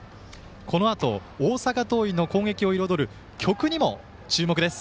このあと、大阪桐蔭の攻撃を彩る曲にも注目です